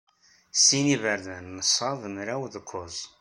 Sin iberdan n sa d mraw d kuẓ.